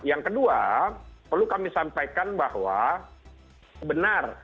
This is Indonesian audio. yang kedua perlu kami sampaikan bahwa benar